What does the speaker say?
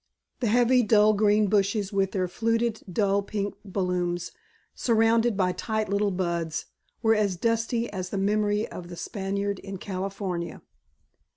The heavy dull green bushes with their fluted dull pink blooms surrounded by tight little buds, were as dusty as the memory of the Spaniard in California.